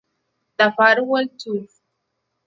The Farewell Tour".